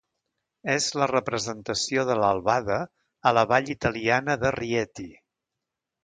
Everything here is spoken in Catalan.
És la representació de l'albada a la vall italiana de Rieti.